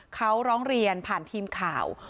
เขาร้องเรียนผ่านทีมข่าว